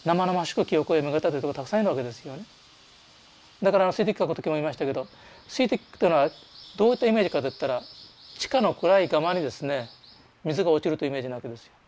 だから「水滴」書く時思いましたけど水滴っていうのはどういったイメージかといったら地下の暗いガマにですね水が落ちるというイメージなわけですよ。